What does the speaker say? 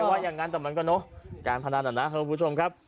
มันก็มีการผนันครับคุณผู้ชมครับ